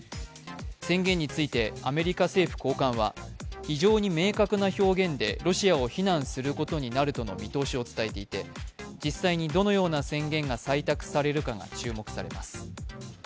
宣言についてアメリカ政府高官は非常に明確な表現でロシアを非難することになるとの見通しを伝えていて、実際にどのような宣言が採択されるかが注目されます。